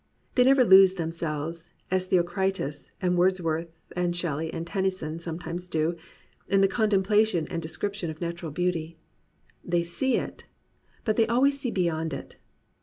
They never lose themselves, as Theocritus and Words worth and Shelley and Tennyson sometimes do, in the contemplation and description of natural beauty. They see it, but they always see beyond it.